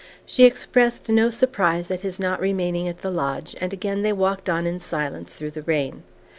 She expressed no surprise at his not remaining at the lodge, and again they walked on in silence through the rain.